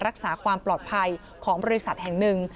รักษาความปลอดภัยของบริษัทแห่งหนึ่ง